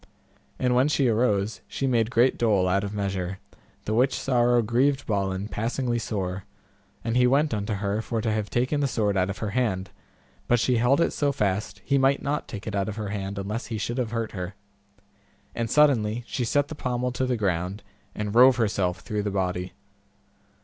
And when she arose she made great dole out of measure, the which sorrow grieved Balin passingly sore, and he went unto her for to have taken the sword out of her hand, but she held it so fast he might not take it out of her hand unless he should have hurt her, and suddenly she set the pommel to the ground, and rove herself through the body.